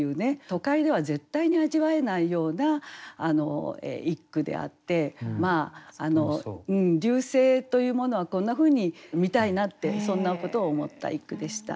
都会では絶対に味わえないような一句であって流星というものはこんなふうに見たいなってそんなことを思った一句でした。